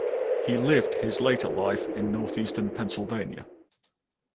He lived his later life in Northeastern Pennsylvania.